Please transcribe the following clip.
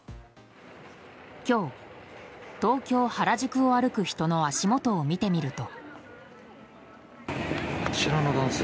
今日、東京・原宿を歩く人の足元を見てみると。